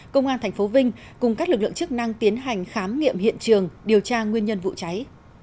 công an tp vinh cùng các lực lượng chức năng tiến hành khám nghiệm hiện trường điều tra nguyên nhân vụ cháy